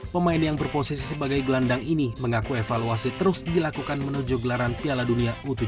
pemain yang berposisi sebagai gelandang ini mengaku evaluasi terus dilakukan menuju gelaran piala dunia u tujuh belas